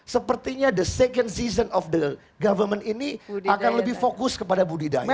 sepertinya the second season of the government ini akan lebih fokus kepada budidaya